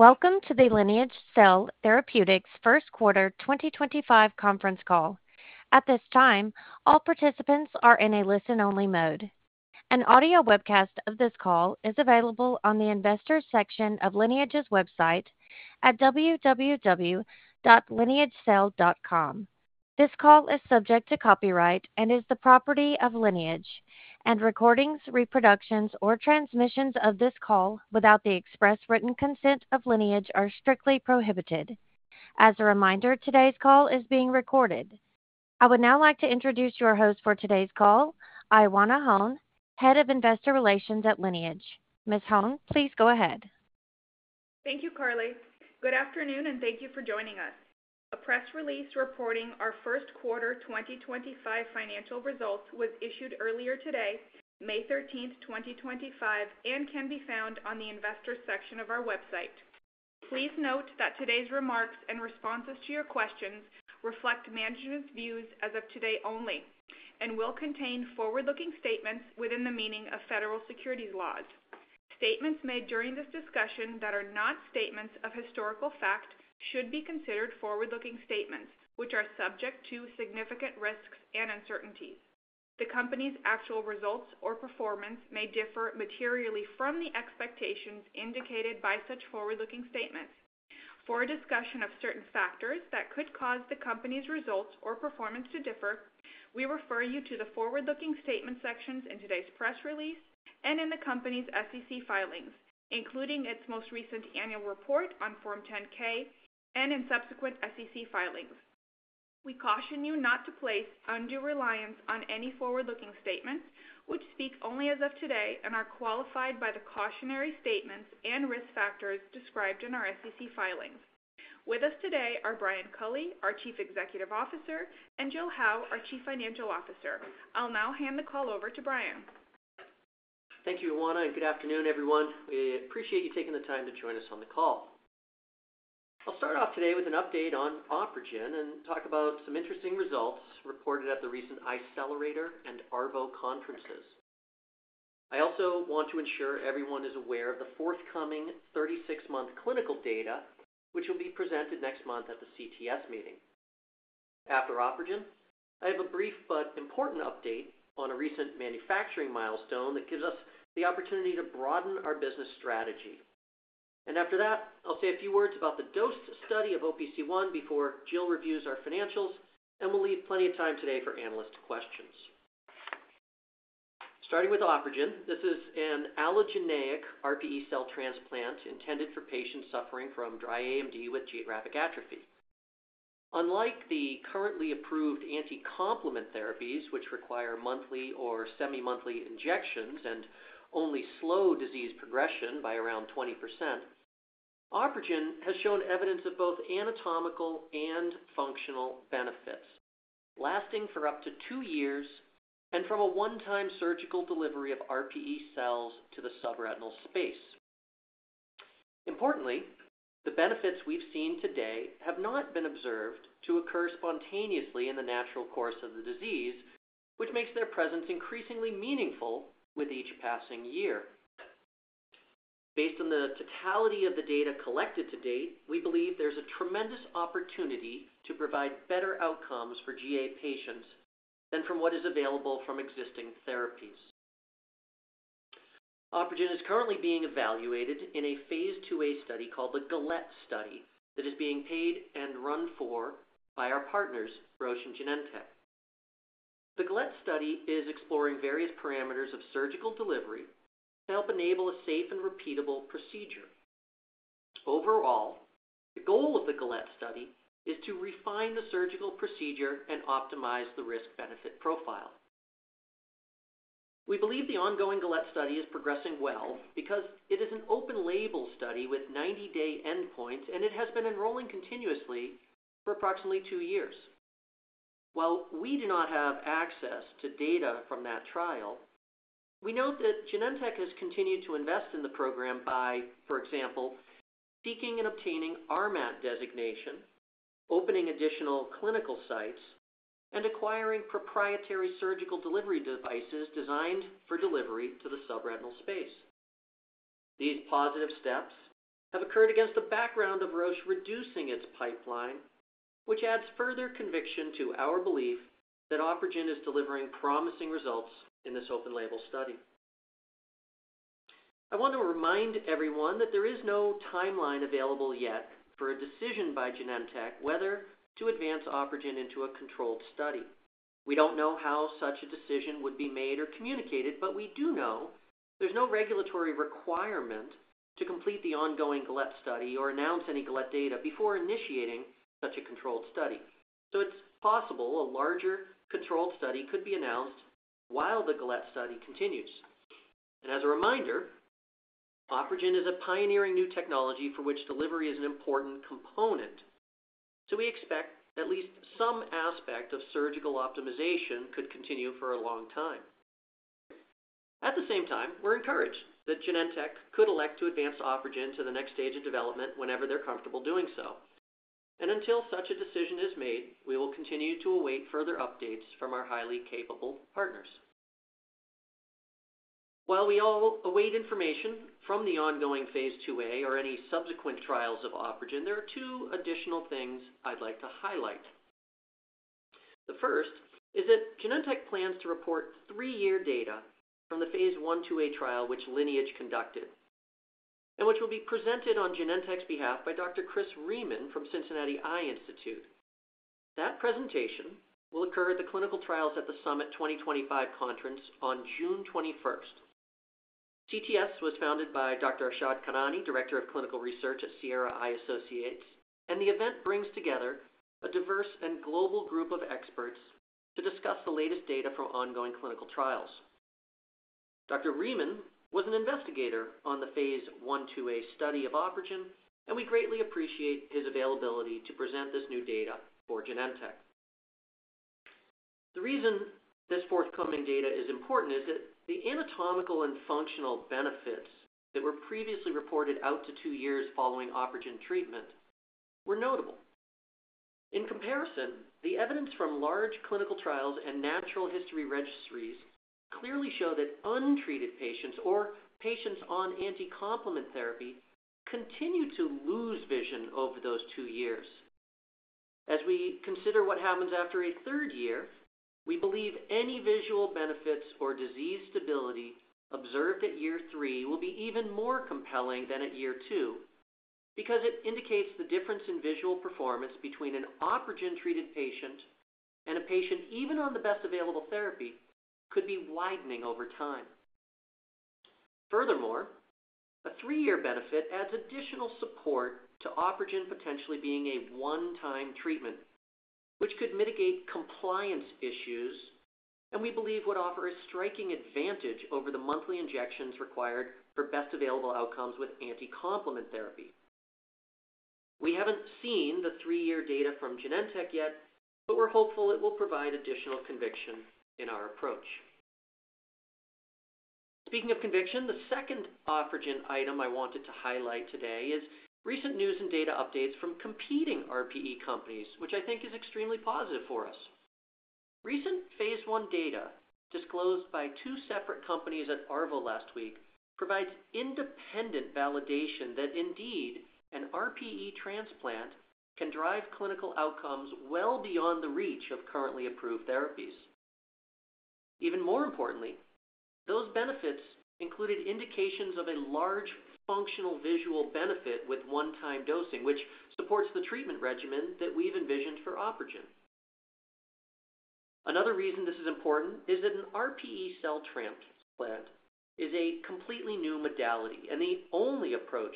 Welcome to the Lineage Cell Therapeutics first quarter 2025 conference call. At this time, all participants are in a listen-only mode. An audio webcast of this call is available on the investor section of Lineage's website at www.lineagecell.com. This call is subject to copyright and is the property of Lineage. Recordings, reproductions or transmissions of this call without the express written consent of Lineage are strictly prohibited. As a reminder, today's call is being recorded. I would now like to introduce your host for today's call, Ioana Hone, Head of Investor Relations at Lineage. Ms. Hone, please go ahead. Thank you, Carly. Good afternoon, and thank you for joining us. A press release reporting our first quarter 2025 financial results was issued earlier today, May 13th, 2025, and can be found on the investor section of our website. Please note that today's remarks and responses to your questions reflect management's views as of today only and will contain forward-looking statements within the meaning of federal securities laws. Statements made during this discussion that are not statements of historical fact should be considered forward-looking statements, which are subject to significant risks and uncertainties. The company's actual results or performance may differ materially from the expectations indicated by such forward-looking statements. For discussion of certain factors that could cause the company's results or performance to differ, we refer you to the forward-looking statement sections in today's press release and in the company's SEC filings, including its most recent annual report on Form 10-K and in subsequent SEC filings. We caution you not to place undue reliance on any forward-looking statements, which speak only as of today and are qualified by the cautionary statements and risk factors described in our SEC filings. With us today are Brian Culley, our Chief Executive Officer, and Jill Howe, our Chief Financial Officer. I'll now hand the call over to Brian. Thank you, Ioana. Good afternoon, everyone. We appreciate you taking the time to join us on the call. I'll start off today with an update on OpRegen and talk about some interesting results reported at the recent Eyecelerator and ARVO conferences. I also want to ensure everyone is aware of the forthcoming 36-month clinical data, which will be presented next month at the CTS meeting. After OpRegen, I have a brief but important update on a recent manufacturing milestone that gives us the opportunity to broaden our business strategy. After that, I'll say a few words about the DOSED study of OPC1 before Jill reviews our financials, and we'll leave plenty of time today for analyst questions. Starting with OpRegen, this is an allogeneic RPE cell transplant intended for patients suffering from dry AMD with geographic atrophy. Unlike the currently approved anti-complement therapies, which require monthly or semi-monthly injections and only slow disease progression by around 20%, OpRegen has shown evidence of both anatomical and functional benefits, lasting for up to two years and from a one-time surgical delivery of RPE cells to the subretinal space. Importantly, the benefits we've seen today have not been observed to occur spontaneously in the natural course of the disease, which makes their presence increasingly meaningful with each passing year. Based on the totality of the data collected to date, we believe there's a tremendous opportunity to provide better outcomes for GA patients than from what is available from existing therapies. OpRegen is currently being evaluated in a phase IIa study called the GAlette study that is being paid and run for by our partners, Roche and Genentech. The GAlette study is exploring various parameters of surgical delivery to help enable a safe and repeatable procedure. Overall, the goal of the GAlette study is to refine the surgical procedure and optimize the risk-benefit profile. We believe the ongoing GAlette study is progressing well because it is an open-label study with 90-day endpoints, and it has been enrolling continuously for approximately two years. While we do not have access to data from that trial, we note that Genentech has continued to invest in the program by, for example, seeking and obtaining RMAT designation, opening additional clinical sites, and acquiring proprietary surgical delivery devices designed for delivery to the subretinal space. These positive steps have occurred against the background of Roche reducing its pipeline, which adds further conviction to our belief that OpRegen is delivering promising results in this open-label study. I want to remind everyone that there is no timeline available yet for a decision by Genentech whether to advance OpRegen into a controlled study. We don't know how such a decision would be made or communicated, but we do know there's no regulatory requirement to complete the ongoing GAlette study or announce any GAlette data before initiating such a controlled study. It is possible a larger controlled study could be announced while the GAlette study continues. As a reminder, OpRegen is a pioneering new technology for which delivery is an important component, so we expect at least some aspect of surgical optimization could continue for a long time. At the same time, we're encouraged that Genentech could elect to advance OpRegen to the next stage of development whenever they're comfortable doing so. Until such a decision is made, we will continue to await further updates from our highly capable partners. While we all await information from the ongoing phase IIa or any subsequent trials of OpRegen, there are two additional things I'd like to highlight. The first is that Genentech plans to report three-year data from the phase I/IIa trial, which Lineage conducted, and which will be presented on Genentech's behalf by Dr. Chris Riemann from Cincinnati Eye Institute. That presentation will occur at the Clinical Trials at the Summit 2025 conference on June 21st. CTS was founded by Dr. Arshad Khanani, Director of Clinical Research at Sierra Eye Associates, and the event brings together a diverse and global group of experts to discuss the latest data from ongoing clinical trials. Dr. Riemann was an investigator on the phase I/IIa study of OpRegen, and we greatly appreciate his availability to present this new data for Genentech. The reason this forthcoming data is important is that the anatomical and functional benefits that were previously reported out to two years following OpRegen treatment were notable. In comparison, the evidence from large clinical trials and natural history registries clearly show that untreated patients or patients on anti-complement therapy continue to lose vision over those two years. As we consider what happens after a third year, we believe any visual benefits or disease stability observed at year three will be even more compelling than at year two because it indicates the difference in visual performance between an OpRegen-treated patient and a patient even on the best available therapy could be widening over time. Furthermore, a three-year benefit adds additional support to OpRegen, potentially being a one-time treatment, which could mitigate compliance issues, and we believe would offer a striking advantage over the monthly injections required for best available outcomes with anti-complement therapy. We haven't seen the three-year data from Genentech yet, but we're hopeful it will provide additional conviction in our approach. Speaking of conviction, the second OpRegen item I wanted to highlight today is recent news and data updates from competing RPE companies, which I think is extremely positive for us. Recent phase I data disclosed by two separate companies at ARVO last week provides independent validation that indeed an RPE transplant can drive clinical outcomes well beyond the reach of currently approved therapies. Even more importantly, those benefits included indications of a large functional visual benefit with one-time dosing, which supports the treatment regimen that we've envisioned for OpRegen. Another reason this is important is that an RPE cell transplant is a completely new modality and the only approach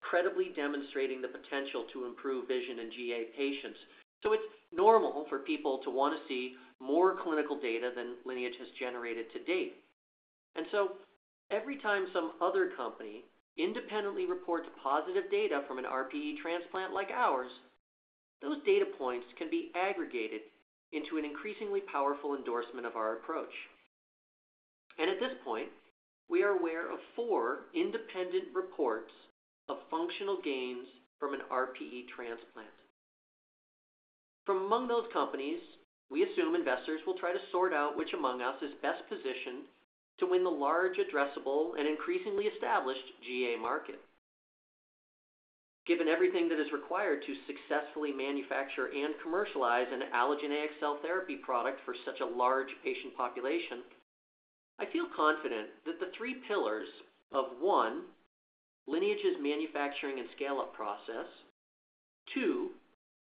credibly demonstrating the potential to improve vision in GA patients. It's normal for people to want to see more clinical data than Lineage has generated to date. Every time some other company independently reports positive data from an RPE transplant like ours, those data points can be aggregated into an increasingly powerful endorsement of our approach. At this point, we are aware of four independent reports of functional gains from an RPE transplant. From among those companies, we assume investors will try to sort out which among us is best positioned to win the large addressable and increasingly established GA market. Given everything that is required to successfully manufacture and commercialize an allogeneic cell therapy product for such a large patient population, I feel confident that the three pillars of one, Lineage's manufacturing and scale-up process, two,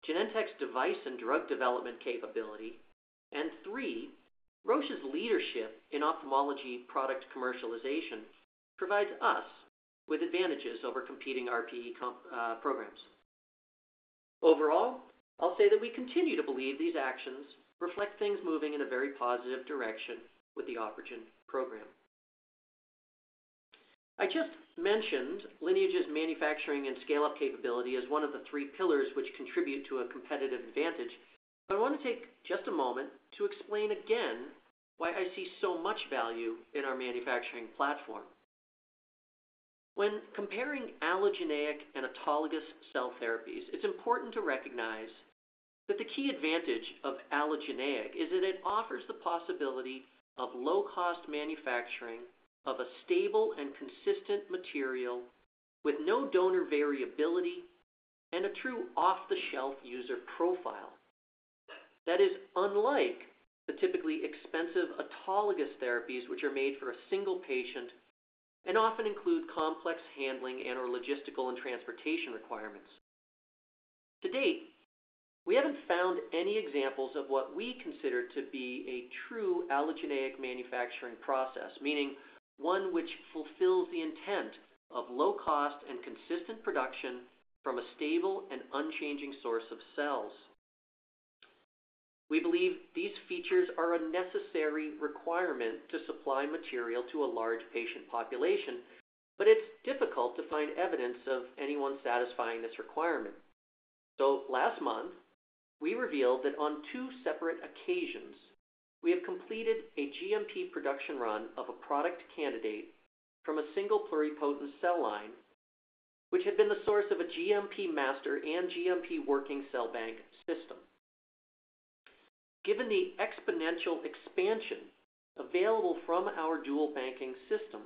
Genentech's device and drug development capability, and three, Roche's leadership in ophthalmology product commercialization provide us with advantages over competing RPE programs. Overall, I'll say that we continue to believe these actions reflect things moving in a very positive direction with the OpRegen program. I just mentioned Lineage's manufacturing and scale-up capability as one of the three pillars which contribute to a competitive advantage, but I want to take just a moment to explain again why I see so much value in our manufacturing platform. When comparing allogeneic and autologous cell therapies, it's important to recognize that the key advantage of allogeneic is that it offers the possibility of low-cost manufacturing of a stable and consistent material with no donor variability and a true off-the-shelf user profile that is unlike the typically expensive autologous therapies, which are made for a single patient and often include complex handling and/or logistical and transportation requirements. To date, we haven't found any examples of what we consider to be a true allogeneic manufacturing process, meaning one which fulfills the intent of low-cost and consistent production from a stable and unchanging source of cells. We believe these features are a necessary requirement to supply material to a large patient population, but it's difficult to find evidence of anyone satisfying this requirement. Last month, we revealed that on two separate occasions, we have completed a GMP production run of a product candidate from a single pluripotent cell line, which had been the source of a GMP master and GMP working cell bank system. Given the exponential expansion available from our dual banking system,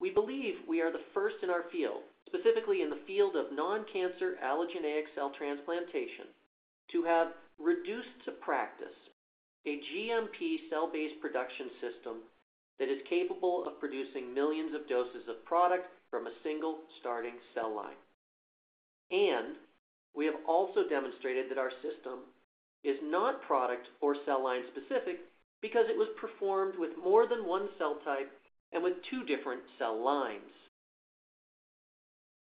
we believe we are the first in our field, specifically in the field of non-cancer allogeneic cell transplantation, to have reduced to practice a GMP cell-based production system that is capable of producing millions of doses of product from a single starting cell line. We have also demonstrated that our system is not product or cell-line-specific because it was performed with more than one cell type and with two different cell lines.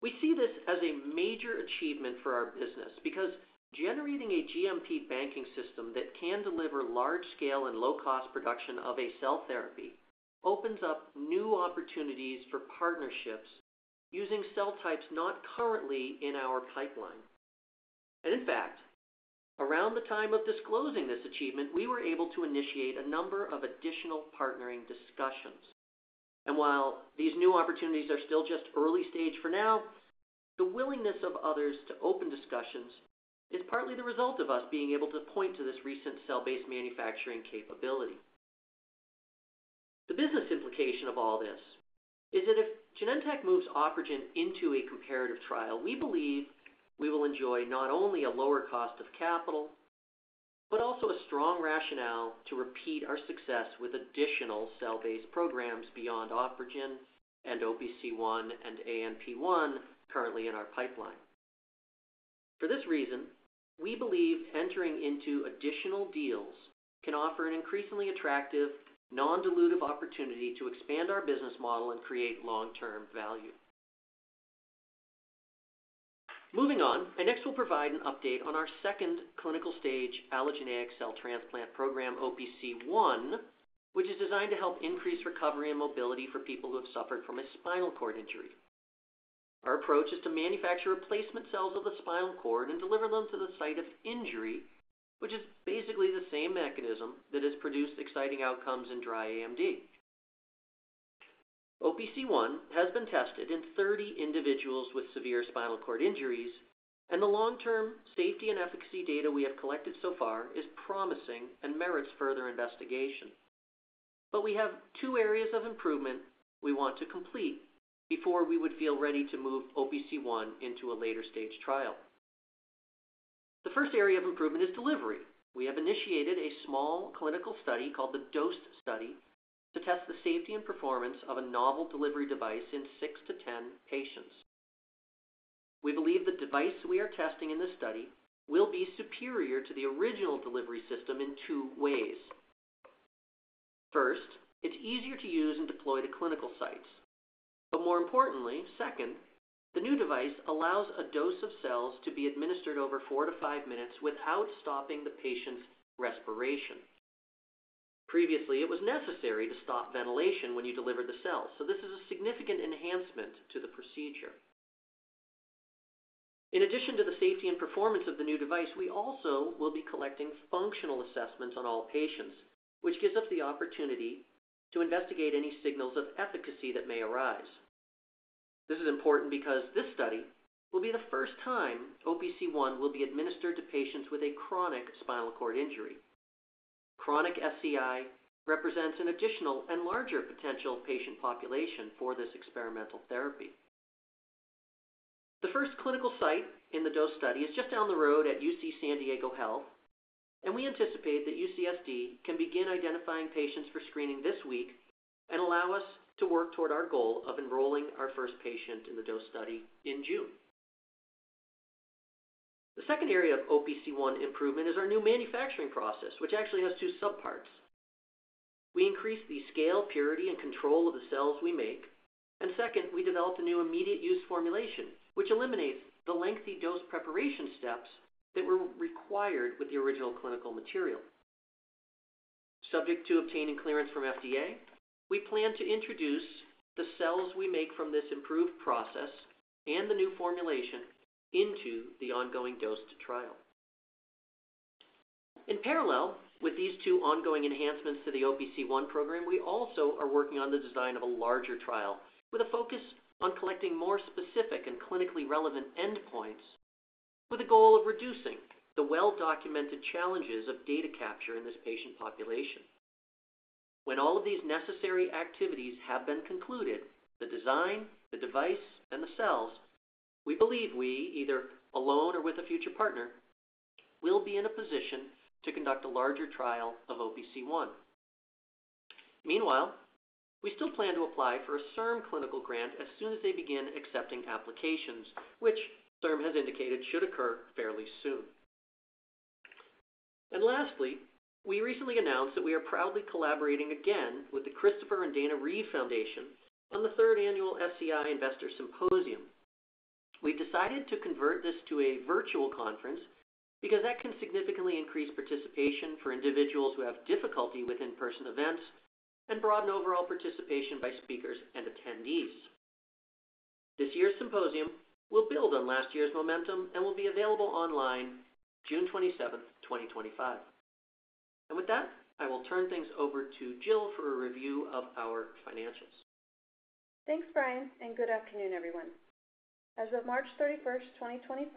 We see this as a major achievement for our business because generating a GMP banking system that can deliver large-scale and low-cost production of a cell therapy opens up new opportunities for partnerships using cell types not currently in our pipeline. In fact, around the time of disclosing this achievement, we were able to initiate a number of additional partnering discussions. While these new opportunities are still just early stage for now, the willingness of others to open discussions is partly the result of us being able to point to this recent cell-based manufacturing capability. The business implication of all this is that if Genentech moves OpRegen into a comparative trial, we believe we will enjoy not only a lower cost of capital, but also a strong rationale to repeat our success with additional cell-based programs beyond OpRegen and OPC1 and ANP1 currently in our pipeline. For this reason, we believe entering into additional deals can offer an increasingly attractive, non-dilutive opportunity to expand our business model and create long-term value. Moving on, I next will provide an update on our second clinical stage allogeneic cell transplant program, OPC1, which is designed to help increase recovery and mobility for people who have suffered from a spinal cord injury. Our approach is to manufacture replacement cells of the spinal cord and deliver them to the site of injury, which is basically the same mechanism that has produced exciting outcomes in dry AMD. OPC1 has been tested in 30 individuals with severe spinal cord injuries, and the long-term safety and efficacy data we have collected so far is promising and merits further investigation. We have two areas of improvement we want to complete before we would feel ready to move OPC1 into a later-stage trial. The first area of improvement is delivery. We have initiated a small clinical study called the DOSED study to test the safety and performance of a novel delivery device in six to 10 patients. We believe the device we are testing in this study will be superior to the original delivery system in two ways. First, it's easier to use and deploy to clinical sites. More importantly, second, the new device allows a dose of cells to be administered over four to five minutes without stopping the patient's respiration. Previously, it was necessary to stop ventilation when you delivered the cells, so this is a significant enhancement to the procedure. In addition to the safety and performance of the new device, we also will be collecting functional assessments on all patients, which gives us the opportunity to investigate any signals of efficacy that may arise. This is important because this study will be the first time OPC1 will be administered to patients with a chronic spinal cord injury. Chronic SCI represents an additional and larger potential patient population for this experimental therapy. The first clinical site in the DOSED study is just down the road at UC San Diego Health, and we anticipate that UCSD can begin identifying patients for screening this week and allow us to work toward our goal of enrolling our first patient in the DOSED study in June. The second area of OPC1 improvement is our new manufacturing process, which actually has two subparts. We increase the scale, purity, and control of the cells we make, and second, we developed a new immediate-use formulation, which eliminates the lengthy dose preparation steps that were required with the original clinical material. Subject to obtaining clearance from FDA, we plan to introduce the cells we make from this improved process and the new formulation into the ongoing DOSED trial. In parallel with these two ongoing enhancements to the OPC1 program, we also are working on the design of a larger trial with a focus on collecting more specific and clinically relevant endpoints with a goal of reducing the well-documented challenges of data capture in this patient population. When all of these necessary activities have been concluded, the design, the device, and the cells, we believe we, either alone or with a future partner, will be in a position to conduct a larger trial of OPC1. Meanwhile, we still plan to apply for a CIRM clinical grant as soon as they begin accepting applications, which CIRM has indicated should occur fairly soon. Lastly, we recently announced that we are proudly collaborating again with the Christopher & Dana Reeve Foundation on the third annual SCI Investor Symposium. We have decided to convert this to a virtual conference because that can significantly increase participation for individuals who have difficulty with in-person events and broaden overall participation by speakers and attendees. This year's symposium will build on last year's momentum and will be available online June 27th, 2025. With that, I will turn things over to Jill for a review of our financials. Thanks, Brian, and good afternoon, everyone. As of March 31st, 2025,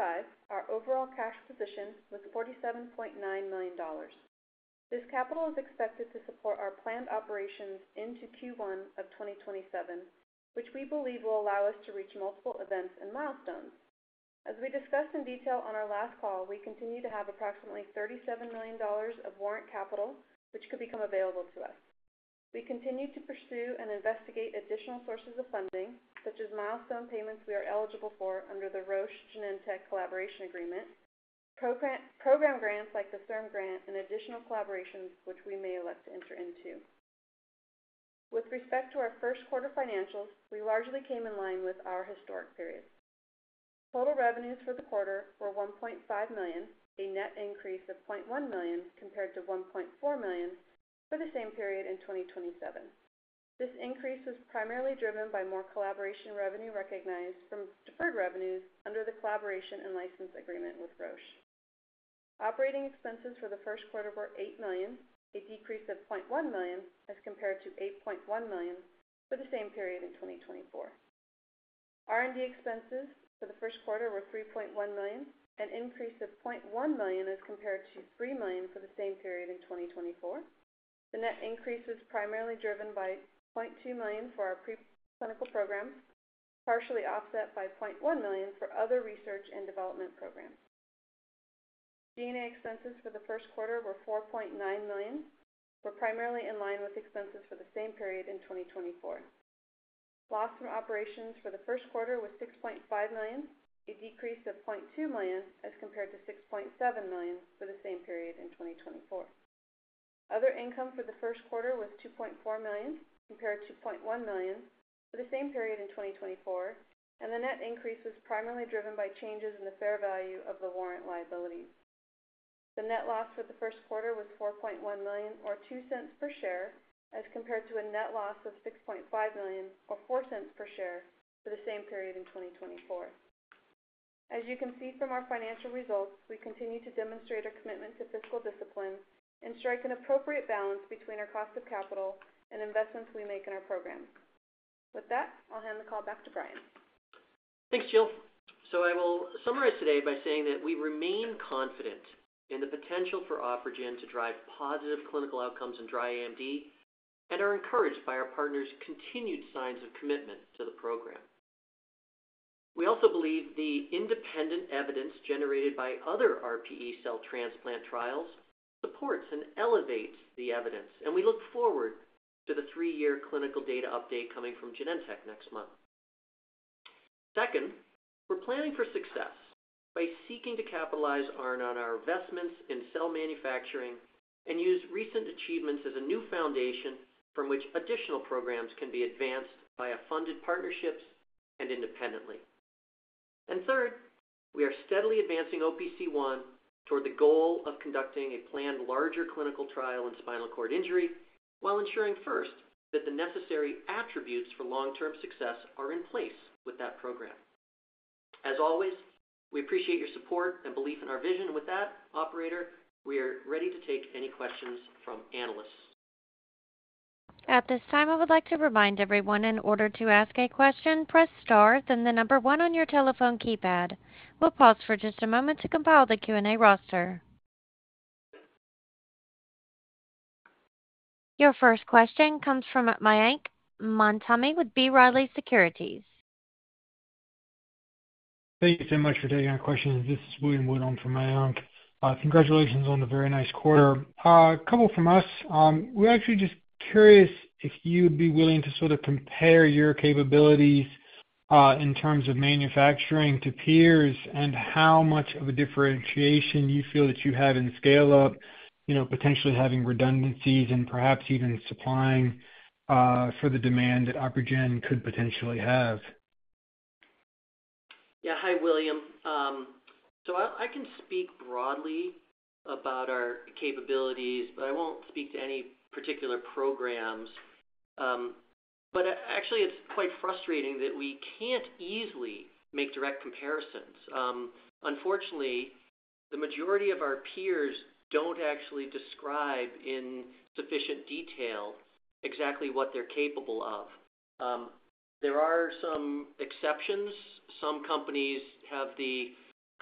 our overall cash position was $47.9 million. This capital is expected to support our planned operations into Q1 of 2027, which we believe will allow us to reach multiple events and milestones. As we discussed in detail on our last call, we continue to have approximately $37 million of warrant capital, which could become available to us. We continue to pursue and investigate additional sources of funding, such as milestone payments we are eligible for under the Roche Genentech Collaboration Agreement, program grants like the CIRM grant, and additional collaborations, which we may elect to enter into. With respect to our first quarter financials, we largely came in line with our historic period. Total revenues for the quarter were $1.5 million, a net increase of $0.1 million compared to $1.4 million for the same period in 2024. This increase was primarily driven by more collaboration revenue recognized from deferred revenues under the collaboration and license agreement with Roche. Operating expenses for the first quarter were $8 million, a decrease of $0.1 million as compared to $8.1 million for the same period in 2024. R&D expenses for the first quarter were $3.1 million, an increase of $0.1 million as compared to $3 million for the same period in 2024. The net increase was primarily driven by $0.2 million for our preclinical programs, partially offset by $0.1 million for other research and development programs. G&A expenses for the first quarter were $4.9 million, primarily in line with expenses for the same period in 2024. Loss from operations for the first quarter was $6.5 million, a decrease of $0.2 million as compared to $6.7 million for the same period in 2024. Other income for the first quarter was $2.4 million compared to $2.1 million for the same period in 2024, and the net increase was primarily driven by changes in the fair value of the warrant liabilities. The net loss for the first quarter was $4.1 million, or $0.02 per share, as compared to a net loss of $6.5 million, or $0.04 per share, for the same period in 2024. As you can see from our financial results, we continue to demonstrate our commitment to fiscal discipline and strike an appropriate balance between our cost of capital and investments we make in our program. With that, I'll hand the call back to Brian. Thanks, Jill. I will summarize today by saying that we remain confident in the potential for OpRegen to drive positive clinical outcomes in dry AMD and are encouraged by our partners' continued signs of commitment to the program. We also believe the independent evidence generated by other RPE cell transplant trials supports and elevates the evidence, and we look forward to the three-year clinical data update coming from Genentech next month. We are planning for success by seeking to capitalize on our investments in cell manufacturing and use recent achievements as a new foundation from which additional programs can be advanced by funded partnerships and independently. We are steadily advancing OPC1 toward the goal of conducting a planned larger clinical trial in spinal cord injury while ensuring first that the necessary attributes for long-term success are in place with that program. As always, we appreciate your support and belief in our vision, and with that, Operator, we are ready to take any questions from analysts. At this time, I would like to remind everyone in order to ask a question, press star, then the number one on your telephone keypad. We'll pause for just a moment to compile the Q&A roster. Your first question comes from Mayank Mamtani with B. Riley Securities. Thank you so much for taking our questions. This is William from Mayank. Congratulations on a very nice quarter. A couple from us. We're actually just curious if you'd be willing to sort of compare your capabilities in terms of manufacturing to peers and how much of a differentiation you feel that you have in scale-up, potentially having redundancies and perhaps even supplying for the demand that OpRegen could potentially have. Yeah. Hi, William. I can speak broadly about our capabilities, but I will not speak to any particular programs. Actually, it is quite frustrating that we cannot easily make direct comparisons. Unfortunately, the majority of our peers do not actually describe in sufficient detail exactly what they are capable of. There are some exceptions. Some companies have the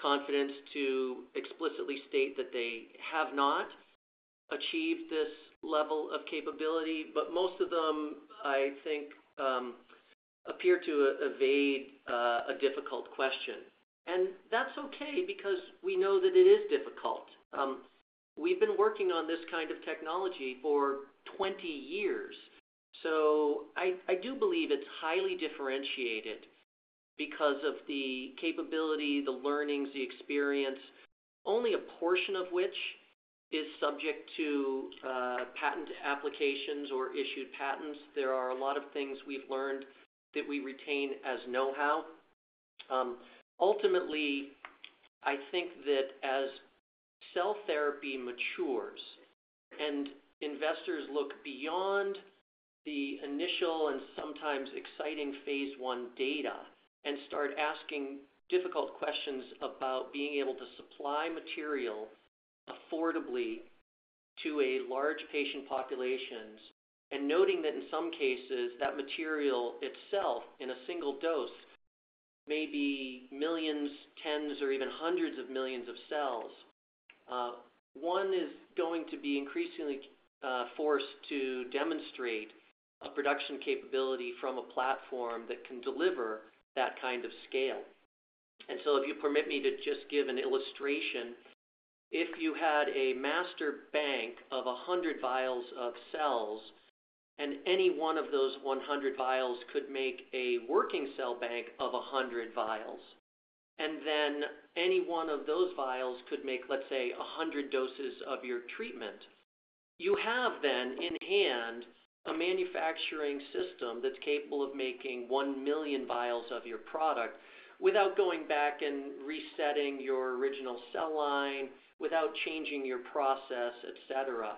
confidence to explicitly state that they have not achieved this level of capability. Most of them, I think, appear to evade a difficult question. That is okay because we know that it is difficult. We have been working on this kind of technology for 20 years. I do believe it is highly differentiated because of the capability, the learnings, the experience, only a portion of which is subject to patent applications or issued patents. There are a lot of things we have learned that we retain as know-how. Ultimately, I think that as cell therapy matures and investors look beyond the initial and sometimes exciting phase one data and start asking difficult questions about being able to supply material affordably to a large patient population, and noting that in some cases, that material itself in a single dose may be millions, tens, or even hundreds of millions of cells, one is going to be increasingly forced to demonstrate a production capability from a platform that can deliver that kind of scale. If you permit me to just give an illustration, if you had a master bank of 100 vials of cells and any one of those 100 vials could make a working cell bank of 100 vials, and then any one of those vials could make, let's say, 100 doses of your treatment, you have then in hand a manufacturing system that's capable of making 1 million vials of your product without going back and resetting your original cell line, without changing your process, etc.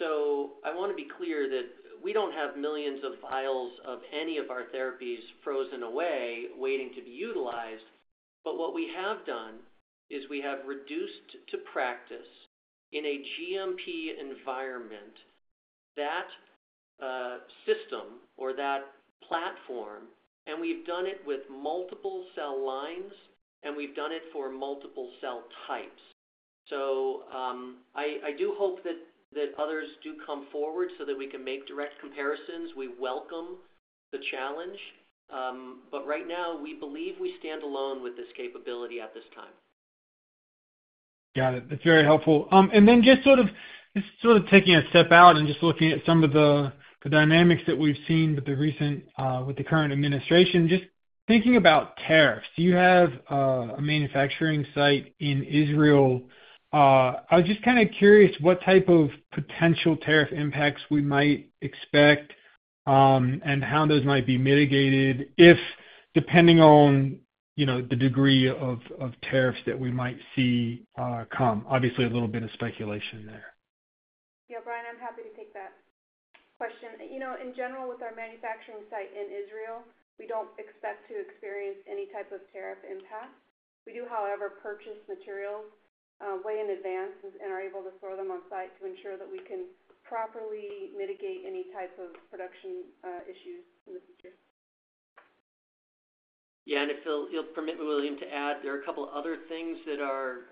I want to be clear that we don't have millions of vials of any of our therapies frozen away waiting to be utilized, but what we have done is we have reduced to practice in a GMP environment that system or that platform, and we've done it with multiple cell lines, and we've done it for multiple cell types. I do hope that others do come forward so that we can make direct comparisons. We welcome the challenge, but right now, we believe we stand alone with this capability at this time. Got it. That's very helpful. Just sort of taking a step out and just looking at some of the dynamics that we've seen with the current administration, just thinking about tariffs. You have a manufacturing site in Israel. I was just kind of curious what type of potential tariff impacts we might expect and how those might be mitigated depending on the degree of tariffs that we might see come. Obviously, a little bit of speculation there. Yeah, Brian, I'm happy to take that question. In general, with our manufacturing site in Israel, we don't expect to experience any type of tariff impact. We do, however, purchase materials way in advance and are able to store them on site to ensure that we can properly mitigate any type of production issues in the future. Yeah. If you'll permit me, William, to add, there are a couple of other things that are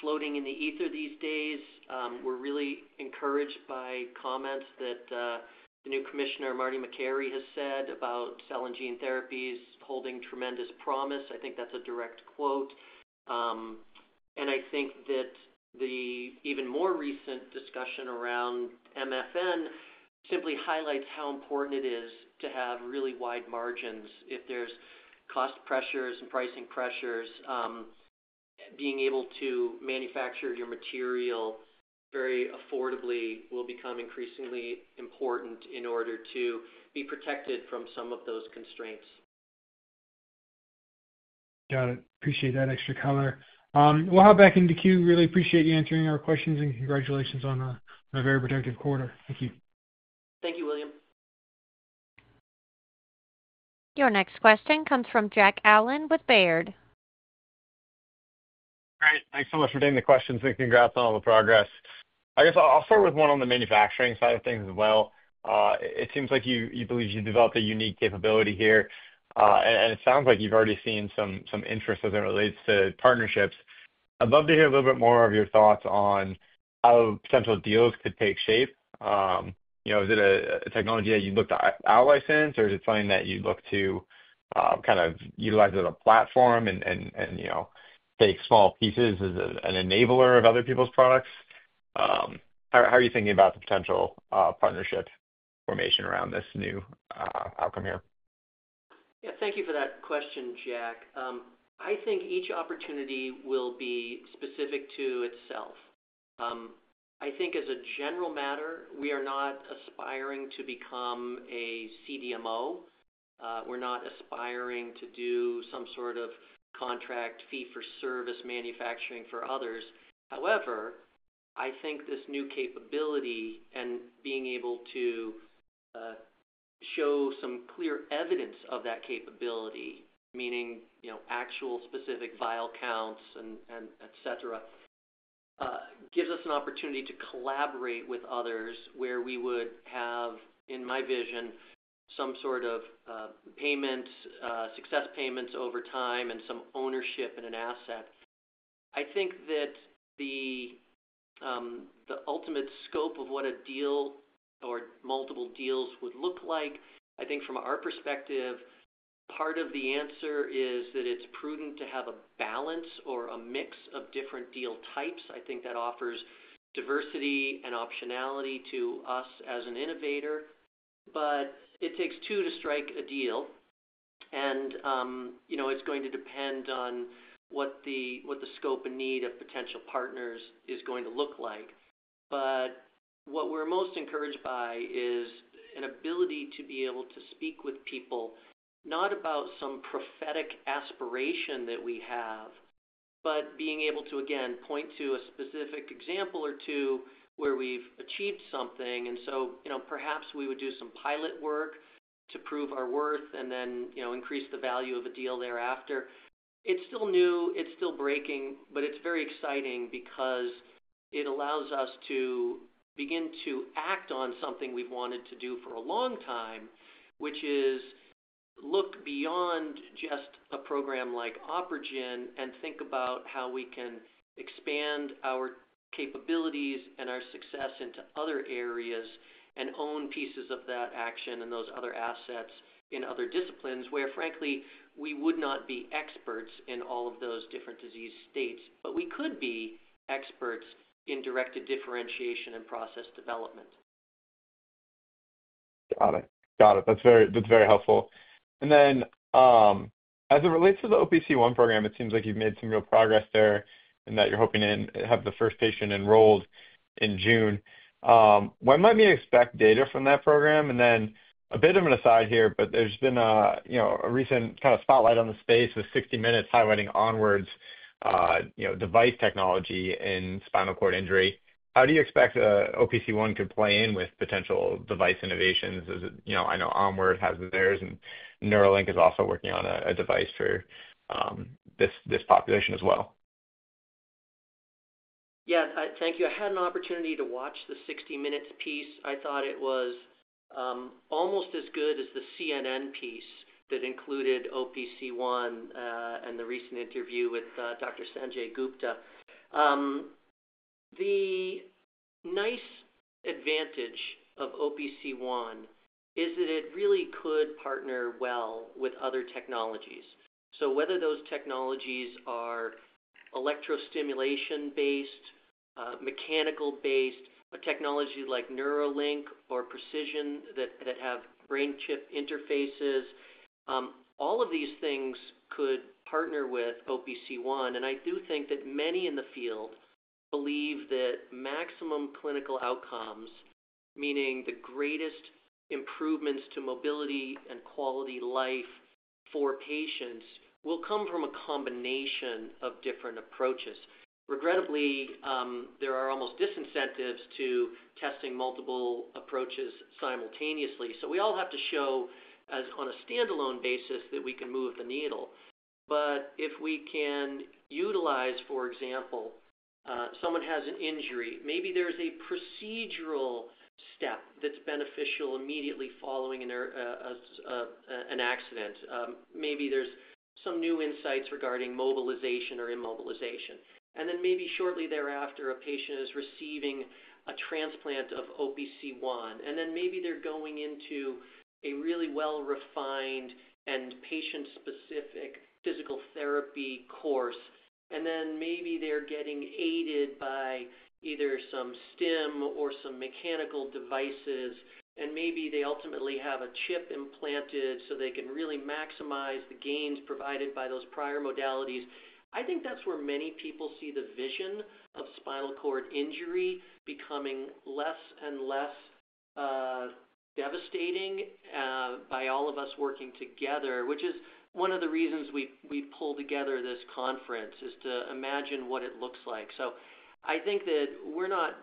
floating in the ether these days. We're really encouraged by comments that the new commissioner, Martin Makary, has said about cell and gene therapies holding tremendous promise. I think that's a direct quote. I think that the even more recent discussion around MFN simply highlights how important it is to have really wide margins if there's cost pressures and pricing pressures. Being able to manufacture your material very affordably will become increasingly important in order to be protected from some of those constraints. Got it. Appreciate that extra color. We'll hop back into queue. Really appreciate you answering our questions, and congratulations on a very productive quarter. Thank you. Thank you, William. Your next question comes from Jack Allen with Baird. All right. Thanks so much for taking the questions, and congrats on all the progress. I guess I'll start with one on the manufacturing side of things as well. It seems like you believe you developed a unique capability here, and it sounds like you've already seen some interest as it relates to partnerships. I'd love to hear a little bit more of your thoughts on how potential deals could take shape. Is it a technology that you'd look to outlicense, or is it something that you'd look to kind of utilize as a platform and take small pieces as an enabler of other people's products? How are you thinking about the potential partnership formation around this new outcome here? Yeah. Thank you for that question, Jack. I think each opportunity will be specific to itself. I think, as a general matter, we are not aspiring to become a CDMO. We're not aspiring to do some sort of contract fee-for-service manufacturing for others. However, I think this new capability and being able to show some clear evidence of that capability, meaning actual specific vial counts, etc., gives us an opportunity to collaborate with others, where we would have, in my vision, some sort of payments, success payments over time, and some ownership in an asset. I think that the ultimate scope of what a deal or multiple deals would look like, I think from our perspective, part of the answer is that it's prudent to have a balance or a mix of different deal types. I think that offers diversity and optionality to us as an innovator, but it takes two to strike a deal, and it's going to depend on what the scope and need of potential partners is going to look like. What we're most encouraged by is an ability to be able to speak with people, not about some prophetic aspiration that we have, but being able to, again, point to a specific example or two where we've achieved something. Perhaps we would do some pilot work to prove our worth and then increase the value of a deal thereafter. It's still new. It's still breaking, but it's very exciting because it allows us to begin to act on something we've wanted to do for a long time, which is look beyond just a program like OpRegen and think about how we can expand our capabilities and our success into other areas and own pieces of that action and those other assets in other disciplines where, frankly, we would not be experts in all of those different disease states, but we could be experts in directed differentiation and process development. Got it. Got it. That's very helpful. As it relates to the OPC1 program, it seems like you've made some real progress there and that you're hoping to have the first patient enrolled in June. When might we expect data from that program? A bit of an aside here, but there's been a recent kind of spotlight on the space with 60 Minutes highlighting Onward's device technology in spinal cord injury. How do you expect OPC1 could play in with potential device innovations? I know Onward has theirs, and Neuralink is also working on a device for this population as well. Yeah. Thank you. I had an opportunity to watch the 60 Minutes piece. I thought it was almost as good as the CNN piece that included OPC1 and the recent interview with Dr. Sanjay Gupta. The nice advantage of OPC1 is that it really could partner well with other technologies. Whether those technologies are electrostimulation-based, mechanical-based, a technology like Neuralink or Precision that have brain chip interfaces, all of these things could partner with OPC1. I do think that many in the field believe that maximum clinical outcomes, meaning the greatest improvements to mobility and quality life for patients, will come from a combination of different approaches. Regrettably, there are almost disincentives to testing multiple approaches simultaneously. We all have to show on a standalone basis that we can move the needle. If we can utilize, for example, someone has an injury, maybe there's a procedural step that's beneficial immediately following an accident. Maybe there's some new insights regarding mobilization or immobilization. Then maybe shortly thereafter, a patient is receiving a transplant of OPC1, and then maybe they're going into a really well-refined and patient-specific physical therapy course, and then maybe they're getting aided by either some STIM or some mechanical devices, and maybe they ultimately have a chip implanted so they can really maximize the gains provided by those prior modalities. I think that's where many people see the vision of spinal cord injury becoming less and less devastating by all of us working together, which is one of the reasons we pulled together this conference is to imagine what it looks like. I think that we're not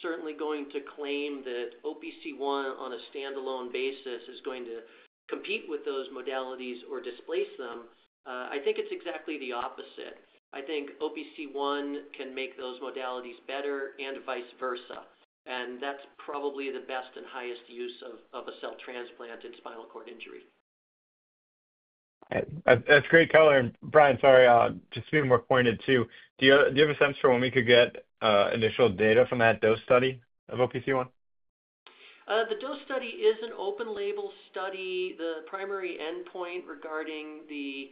certainly going to claim that OPC1 on a standalone basis is going to compete with those modalities or displace them. I think it's exactly the opposite. I think OPC1 can make those modalities better and vice versa, and that's probably the best and highest use of a cell transplant in spinal cord injury. That's great color. Brian, sorry, just being more pointed too, do you have a sense for when we could get initial data from that DOSED study of OPC1? The DOSED study is an open-label study. The primary endpoint regarding the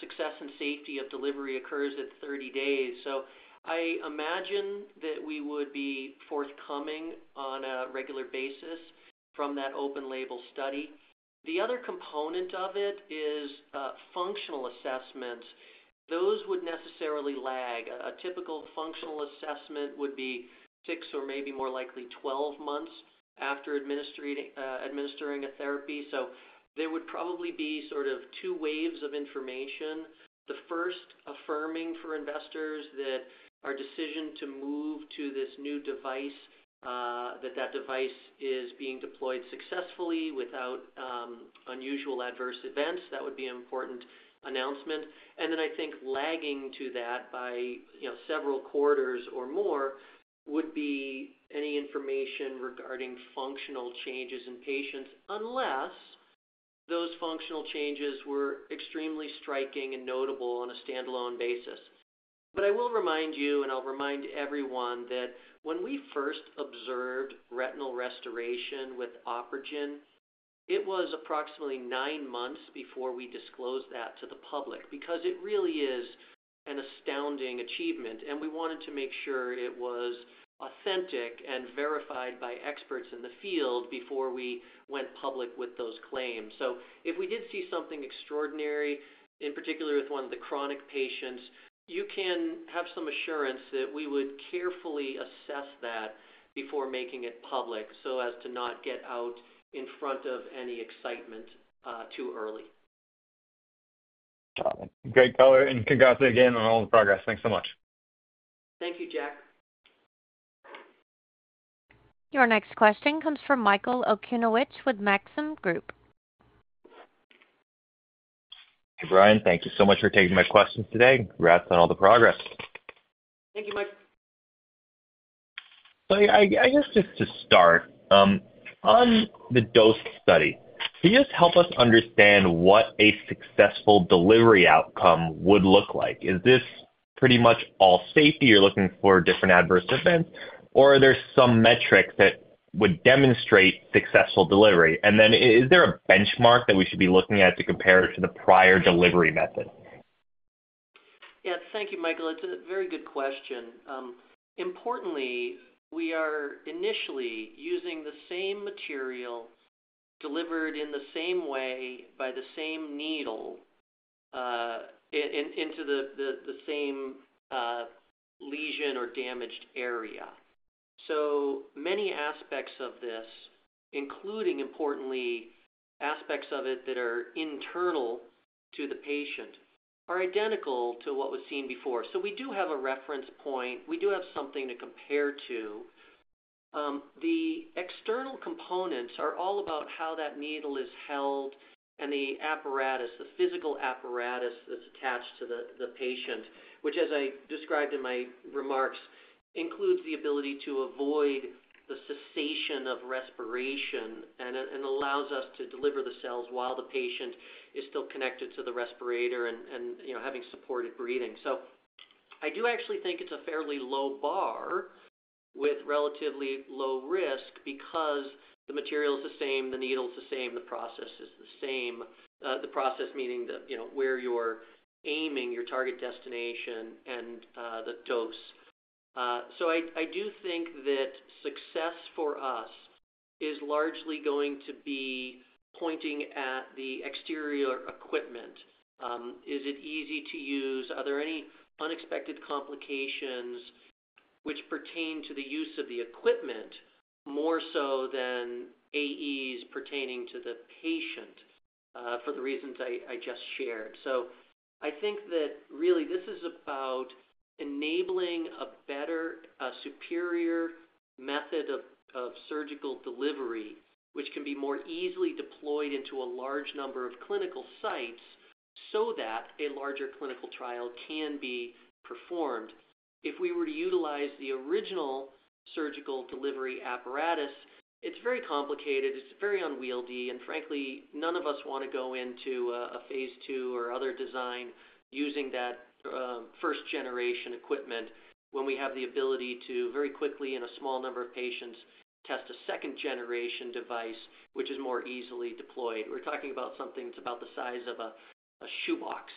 success and safety of delivery occurs at 30 days. I imagine that we would be forthcoming on a regular basis from that open-label study. The other component of it is functional assessments. Those would necessarily lag. A typical functional assessment would be 6 or maybe more likely 12 months after administering a therapy. There would probably be sort of two waves of information. The first affirming for investors that our decision to move to this new device, that that device is being deployed successfully without unusual adverse events that would be an important announcement. I think lagging to that by several quarters or more would be any information regarding functional changes in patients unless those functional changes were extremely striking and notable on a standalone basis. I will remind you, and I'll remind everyone that when we first observed retinal restoration with OpRegen, it was approximately nine months before we disclosed that to the public because it really is an astounding achievement, and we wanted to make sure it was authentic and verified by experts in the field before we went public with those claims. If we did see something extraordinary, in particular with one of the chronic patients, you can have some assurance that we would carefully assess that before making it public so as to not get out in front of any excitement too early. Got it. Great color. Congrats again on all the progress. Thanks so much. Thank you, Jack. Your next question comes from Michael Okunewitch with Maxim Group. Hey, Brian. Thank you so much for taking my questions today. Congrats on all the progress. Thank you, Mike. I guess just to start, on the DOSED study, can you just help us understand what a successful delivery outcome would look like? Is this pretty much all safety? You're looking for different adverse events, or are there some metrics that would demonstrate successful delivery? Is there a benchmark that we should be looking at to compare to the prior delivery method? Yeah. Thank you, Michael. It's a very good question. Importantly, we are initially using the same material delivered in the same way by the same needle into the same lesion or damaged area. So many aspects of this, including, importantly, aspects of it that are internal to the patient, are identical to what was seen before. We do have a reference point. We do have something to compare to. The external components are all about how that needle is held and the apparatus, the physical apparatus that's attached to the patient, which, as I described in my remarks, includes the ability to avoid the cessation of respiration and allows us to deliver the cells while the patient is still connected to the respirator and having supported breathing. I do actually think it's a fairly low bar with relatively low risk because the material is the same, the needle is the same, the process is the same. The process meaning where you're aiming your target destination and the dose. I do think that success for us is largely going to be pointing at the exterior equipment. Is it easy to use? Are there any unexpected complications which pertain to the use of the equipment more so than AEs pertaining to the patient for the reasons I just shared? I think that, really, this is about enabling a better, superior method of surgical delivery, which can be more easily deployed into a large number of clinical sites so that a larger clinical trial can be performed. If we were to utilize the original surgical delivery apparatus, it's very complicated. It's very unwieldy, and frankly, none of us want to go into a phase two or other design using that first-generation equipment when we have the ability to very quickly, in a small number of patients, test a second-generation device, which is more easily deployed. We're talking about something that's about the size of a shoebox.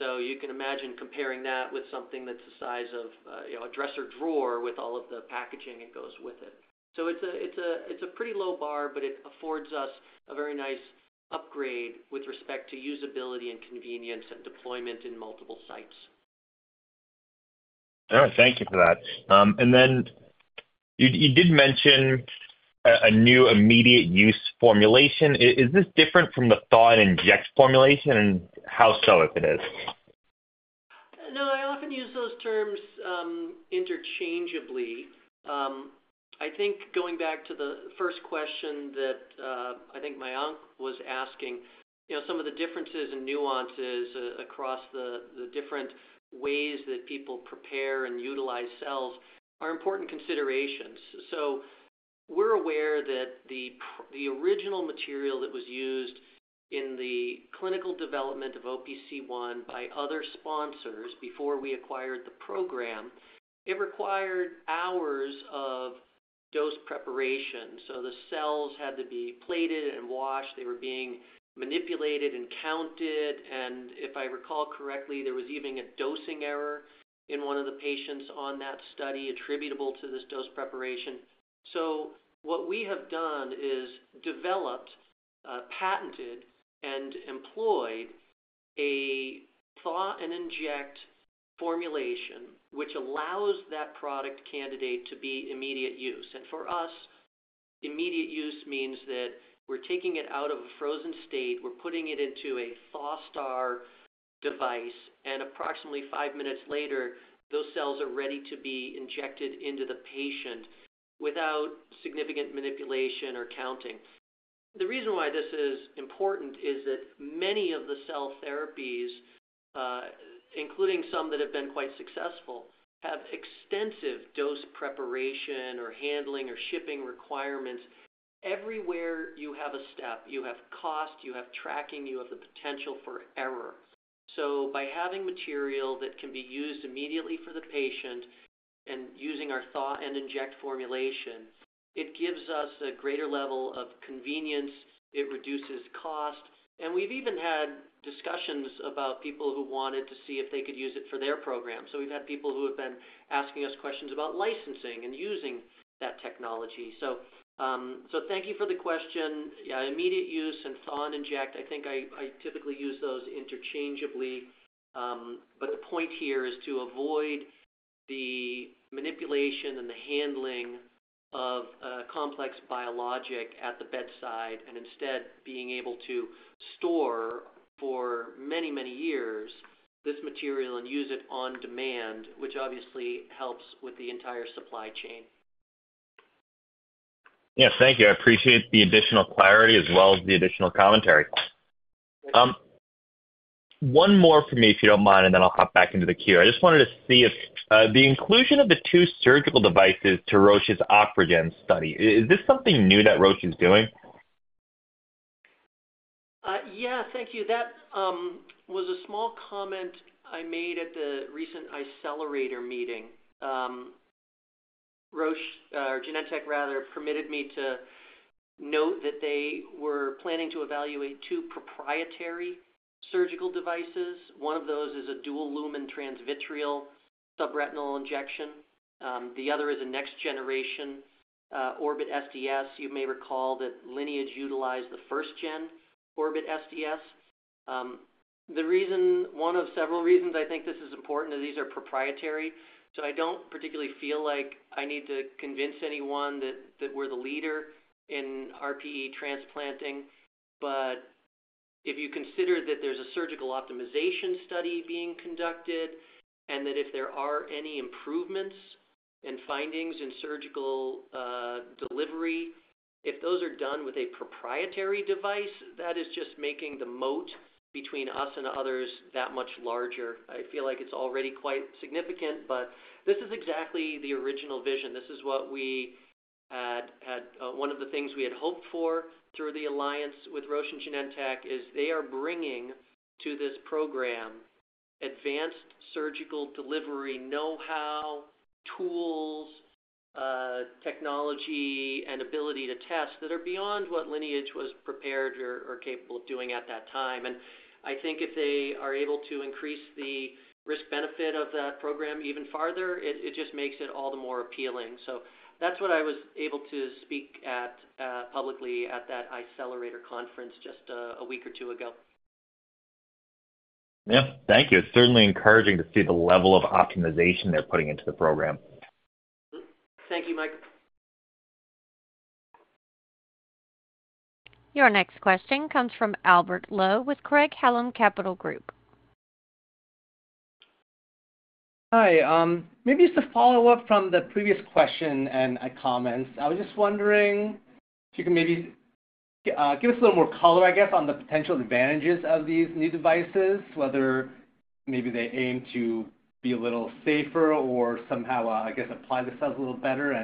You can imagine comparing that with something that's the size of a dresser drawer with all of the packaging that goes with it. It's a pretty low bar, but it affords us a very nice upgrade with respect to usability and convenience, and deployment in multiple sites. All right. Thank you for that. You did mention a new immediate use formulation. Is this different from the thaw-and-inject formulation, and how so if it is? No, I often use those terms interchangeably. I think going back to the first question that I think my aunt was asking, some of the differences and nuances across the different ways that people prepare and utilize cells are important considerations. We are aware that the original material that was used in the clinical development of OPC1 by other sponsors before we acquired the program it required hours of dose preparation. The cells had to be plated and washed. They were being manipulated and counted. If I recall correctly, there was even a dosing error in one of the patients on that study attributable to this dose preparation. What we have done is developed, patented, and employed a thaw-and-inject formulation which allows that product candidate to be immediate use. For us, immediate use means that we are taking it out of a frozen state. We're putting it into a ThawSTAR device, and approximately five minutes later, those cells are ready to be injected into the patient without significant manipulation or counting. The reason why this is important is that many of the cell therapies, including some that have been quite successful, have extensive dose preparation or handling or shipping requirements. Everywhere you have a step, you have cost, you have tracking, you have the potential for error. By having material that can be used immediately for the patient and using our thaw-and-inject formulation, it gives us a greater level of convenience. It reduces cost. We've even had discussions about people who wanted to see if they could use it for their program. We've had people who have been asking us questions about licensing and using that technology. Thank you for the question. Yeah, immediate use and thaw-and-inject. I think I typically use those interchangeably, but the point here is to avoid the manipulation and the handling of complex biologic at the bedside and instead being able to store for many, many years this material and use it on demand, which obviously helps with the entire supply chain. Yes. Thank you. I appreciate the additional clarity as well as the additional commentary. One more for me, if you don't mind, and then I'll hop back into the queue. I just wanted to see if the inclusion of the two surgical devices to Roche's OpRegen study is this something new that Roche is doing? Yeah. Thank you. That was a small comment I made at the recent Eyecelerator meeting. Roche or Genentech, rather, permitted me to note that they were planning to evaluate two proprietary surgical devices. One of those is a dual-lumen transvitreal subretinal injection. The other is a next-generation Orbit SDS. You may recall that Lineage utilized the first-gen Orbit SDS. One of several reasons I think this is important is these are proprietary. I do not particularly feel like I need to convince anyone that we are the leader in RPE transplanting. If you consider that there is a surgical optimization study being conducted and that if there are any improvements and findings in surgical delivery, if those are done with a proprietary device, that is just making the moat between us and others that much larger. I feel like it is already quite significant, but this is exactly the original vision. This is what we had. One of the things we had hoped for through the alliance with Roche and Genentech is they are bringing to this program advanced surgical delivery know-how, tools, technology, and ability to test that are beyond what Lineage was prepared or capable of doing at that time. I think if they are able to increase the risk-benefit of that program even further, it just makes it all the more appealing. That is what I was able to speak at publicly at that Eyecelerator conference just a week or two ago. Yeah. Thank you. It's certainly encouraging to see the level of optimization they're putting into the program. Thank you, Michael. Your next question comes from Albert Lowe with Craig-Hallum Capital Group. Hi. Maybe just a follow-up from the previous question and comments. I was just wondering if you can maybe give us a little more color, I guess, on the potential advantages of these new devices, whether maybe they aim to be a little safer or somehow, I guess, apply themselves a little better.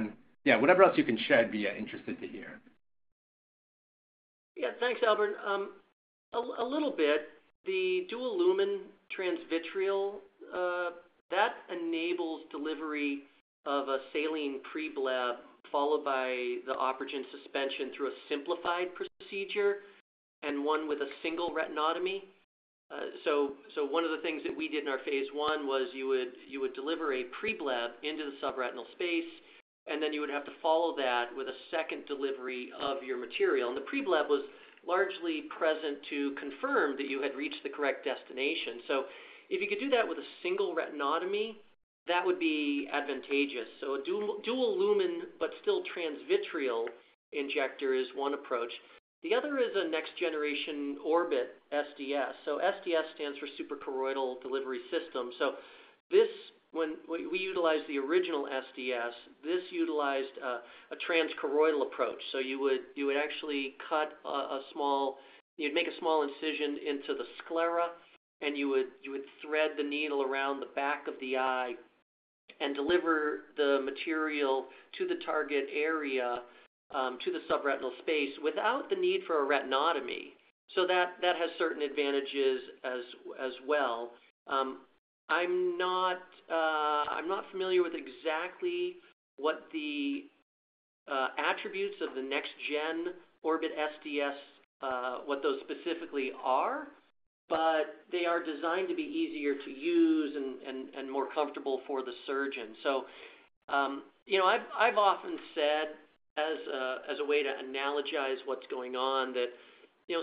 Yeah, whatever else you can share, I'd be interested to hear. Yeah. Thanks, Albert. A little bit. The dual-lumen transvitreal, that enables delivery of a saline pre-bleb followed by the OpRegen suspension through a simplified procedure and one with a single retinotomy. One of the things that we did in our phase one was you would deliver a pre-bleb into the subretinal space, and then you would have to follow that with a second delivery of your material. The pre-bleb was largely present to confirm that you had reached the correct destination. If you could do that with a single retinotomy, that would be advantageous. A dual-lumen but still transvitreal injector is one approach. The other is a next-generation Orbit SDS. SDS stands for Superciliary Delivery System. When we utilized the original SDS, this utilized a transscleral approach. You would actually cut a small, you'd make a small incision into the sclera, and you would thread the needle around the back of the eye and deliver the material to the target area, to the subretinal space, without the need for a retinotomy. That has certain advantages as well. I'm not familiar with exactly what the attributes of the next-gen Orbit SDS, what those specifically are, but they are designed to be easier to use and more comfortable for the surgeon. I've often said, as a way to analogize what's going on, that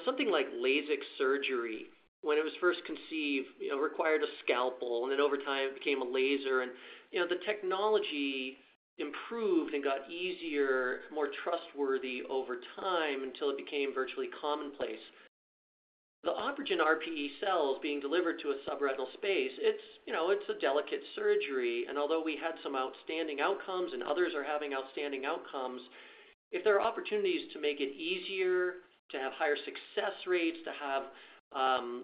something like LASIK surgery, when it was first conceived, required a scalpel, and then over time it became a laser. The technology improved and got easier, more trustworthy over time, until it became virtually commonplace. The OpRegen RPE cells being delivered to a subretinal space, it's a delicate surgery. Although we had some outstanding outcomes and others are having outstanding outcomes, if there are opportunities to make it easier, to have higher success rates, to have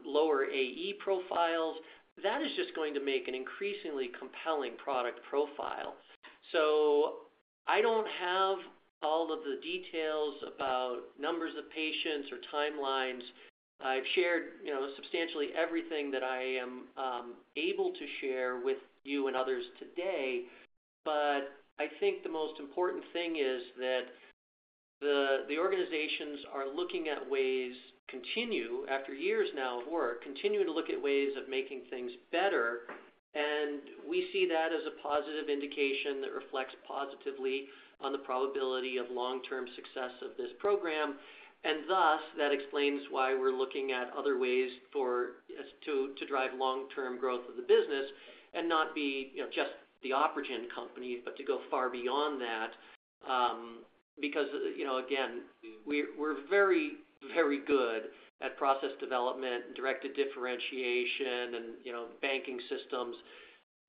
lower AE profiles, that is just going to make an increasingly compelling product profile. I do not have all of the details about numbers of patients or timelines. I have shared substantially everything that I am able to share with you and others today. I think the most important thing is that the organizations are looking at ways to continue after years now of work, continue to look at ways of making things better. We see that as a positive indication that reflects positively on the probability of long-term success of this program. That explains why we're looking at other ways to drive long-term growth of the business and not be just the OpRegen company, but to go far beyond that. Again, we're very, very good at process development and directed differentiation and banking systems,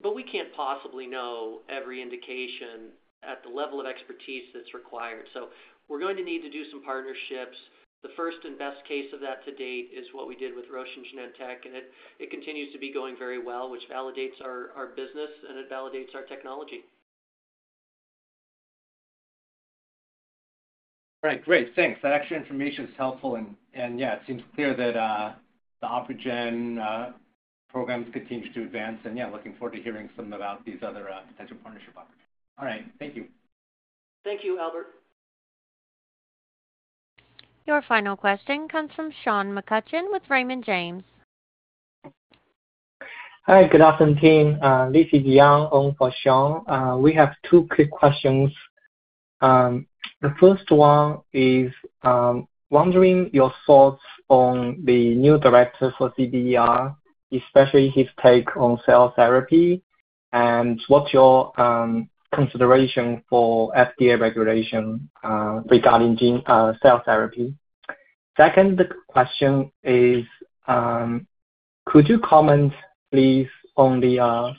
but we can't possibly know every indication at the level of expertise that's required. We're going to need to do some partnerships. The first and best case of that to date is what we did with Roche and Genentech, and it continues to be going very well, which validates our business and it validates our technology. All right. Great. Thanks. That extra information is helpful. Yeah, it seems clear that the OpRegen program continues to advance. Yeah, looking forward to hearing some about these other potential partnership opportunities. All right. Thank you. Thank you, Albert. Your final question comes from Sean McCutcheon with Raymond James. Hi. Good afternoon, team. This is Yang Ong for Sean. We have two quick questions. The first one is wondering your thoughts on the new director for CBER, especially his take on cell therapy, and what's your consideration for FDA regulation regarding cell therapy. Second question is, could you comment, please, on the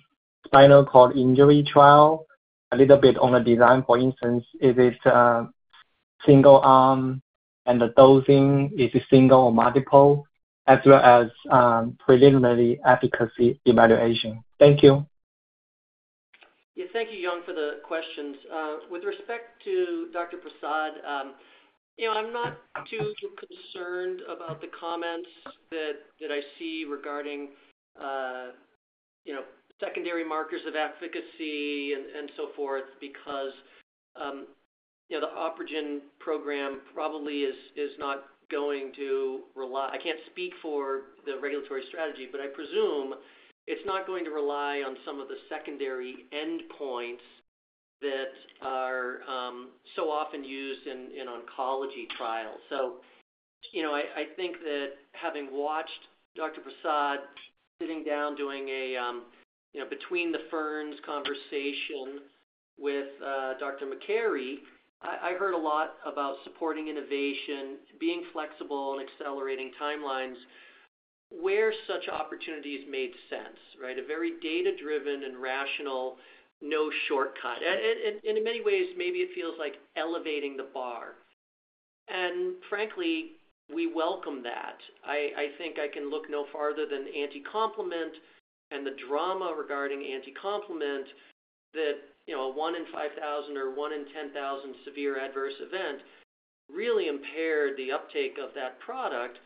spinal cord injury trial, a little bit on the design, for instance? Is it single-arm, and the dosing, is it single or multiple, as well as preliminary efficacy evaluation? Thank you. Yeah. Thank you, Yang, for the questions. With respect to Dr. Prasad, I'm not too concerned about the comments that I see regarding secondary markers of efficacy and so forth because the OpRegen program probably is not going to rely—I can't speak for the regulatory strategy, but I presume it's not going to rely on some of the secondary endpoints that are so often used in oncology trials. I think that, having watched Dr. Prasad sitting down doing a between-the-ferns conversation with Dr. Makary, I heard a lot about supporting innovation, being flexible, and accelerating timelines where such opportunities made sense, right? A very data-driven and rational, no shortcut. In many ways, maybe it feels like elevating the bar. Frankly, we welcome that. I think I can look no further than anti-complement and the drama regarding anti-complement that a 1 in 5,000 or 1 in 10,000 severe adverse event really impaired the uptake of that product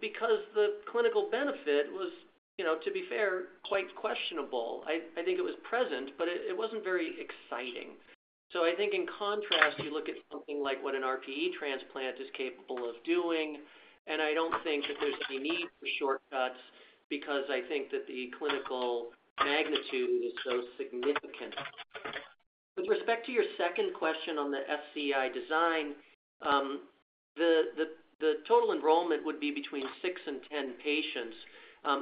because the clinical benefit was, to be fair, quite questionable. I think it was present, but it wasn't very exciting. I think, in contrast, you look at something like what an RPE transplant is capable of doing, and I don't think that there's any need for shortcuts because I think that the clinical magnitude is so significant. With respect to your second question on the FCEI design, the total enrollment would be between 6 and 10 patients.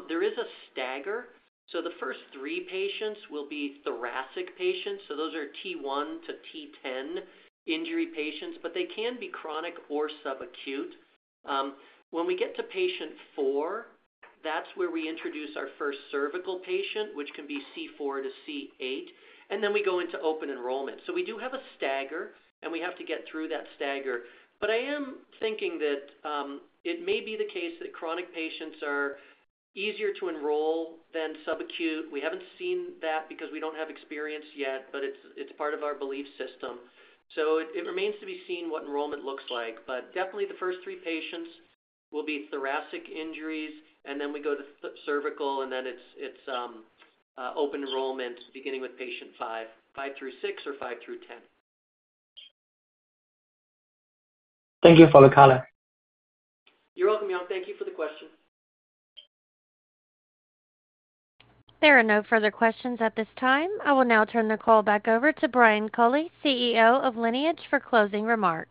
There is a stagger. The first three patients will be thoracic patients. Those are T1-T10 injury patients, but they can be chronic or subacute. When we get to patient four, that's where we introduce our first cervical patient, which can be C4 to C8, and then we go into open enrollment. We do have a stagger, and we have to get through that stagger. I am thinking that it may be the case that chronic patients are easier to enroll than subacute. We haven't seen that because we don't have experience yet, but it's part of our belief system. It remains to be seen what enrollment looks like. Definitely, the first three patients will be thoracic injuries, and then we go to cervical, and then it's open enrollment beginning with patient five, five through six, or five through ten. Thank you for the color. You're welcome, Yang. Thank you for the question. There are no further questions at this time. I will now turn the call back over to Brian Culley, CEO of Lineage, for closing remarks.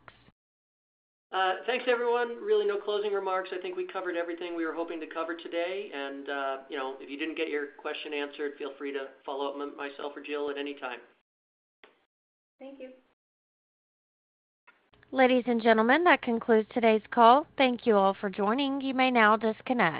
Thanks, everyone. Really, no closing remarks. I think we covered everything we were hoping to cover today. If you did not get your question answered, feel free to follow up with myself or Jill at any time. Thank you. Ladies and gentlemen, that concludes today's call. Thank you all for joining. You may now disconnect.